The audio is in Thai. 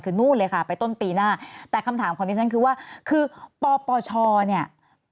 คือนู่นเลยค่ะไปต้นปีหน้าแต่คำถามของดิฉันคือว่าคือปปชเนี่ย